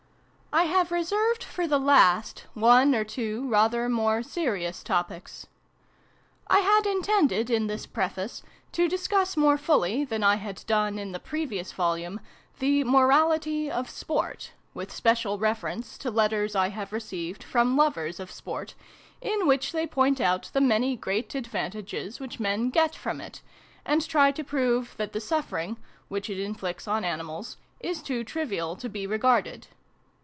I have reserved, for the last, one or two rather more serious topics. I had intended, in this Preface, to discuss more fully, than I had done in the previous Volume, the ' Morality of Sport ', with special reference to letters I have received from lovers of Sport, in which they point out the many great advantages which men get from it, and try to prove that the suffering, which it inflicts on animals, is too trivial to be regarded.